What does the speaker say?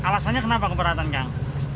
alasannya kenapa keberatan kang